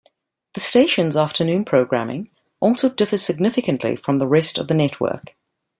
The station's afternoon programming also differs significantly from the rest of the network.